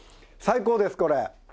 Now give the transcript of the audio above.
最高ですこれ！